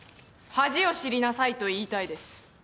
恥を知りなさいと言いたいです。